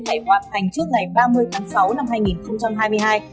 phải hoạt hành trước ngày ba mươi tháng sáu năm hai nghìn hai mươi hai